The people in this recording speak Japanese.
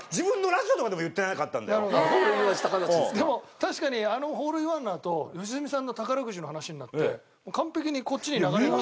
確かにあのホールインワンのあと良純さんの宝くじの話になって完璧にこっちに流れが。